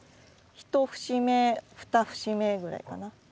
１節目２節目ぐらいかな。